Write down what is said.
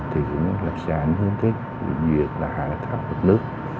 thì cũng sẽ ảnh hưởng đến việc là hạ thác mực nước